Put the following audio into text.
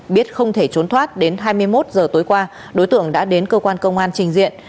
biết không thể trốn thoát đến hai mươi một giờ tối qua đối tượng đã đến cơ quan công an trình diện